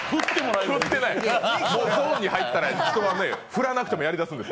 ゾーンに入ったら、人は振らなくてもやりだすんです。